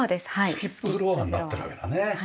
スキップフロアになってるわけだね。